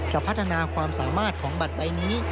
พัฒนาความสามารถของบัตรใบนี้